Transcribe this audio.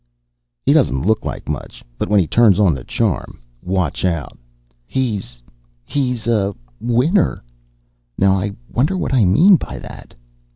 "He doesn't look like much. But when he turns on the charm watch out!" "He's he's a winner. Now I wonder what I mean by that?"